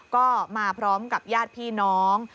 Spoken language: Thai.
ก็มาพร้อมกับญาติพี่น้อง